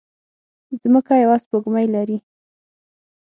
ځمکه يوه سپوږمۍ لري